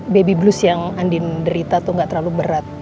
baby blues yang andin derita tuh gak terlalu berat